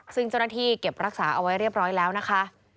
ซึ่งเจ้าหน้าที่เก็บรักษาเอาไว้เรียบร้อยแล้วนะคะ